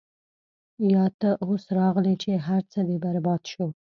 يا تۀ اوس راغلې چې هر څۀ دې برباد شو -